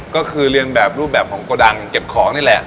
ก็คือเรียนแบบรูปแบบของโกดังเก็บของนี่แหละ